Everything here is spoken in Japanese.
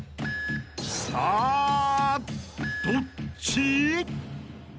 ［さあどっち？］